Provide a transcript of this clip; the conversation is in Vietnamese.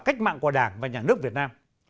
cách mạng của đảng và nhà nước việt nam